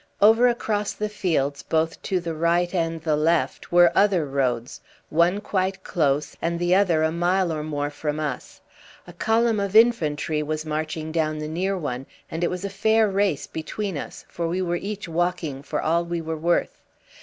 Over across the fields, both to the right and the left, were other roads, one quite close, and the other a mile or more from us. A column of infantry was marching down the near one, and it was a fair race between us, for we were each walking for all we were worth.